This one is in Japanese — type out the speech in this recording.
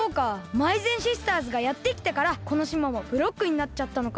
まいぜんシスターズがやってきたからこの島もブロックになっちゃったのか。